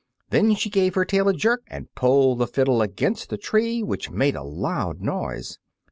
Then she gave her tail a jerk and pulled the fiddle against the tree, which made a loud noise.